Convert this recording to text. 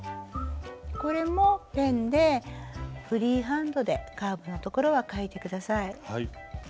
これもペンでフリーハンドでカーブの所は書いて下さい。